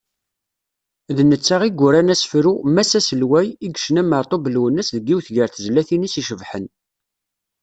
D netta i yuran asefru “Mass aselway” i yecna Meɛtub Lwennas deg yiwet gar tezlatin-is icebḥen.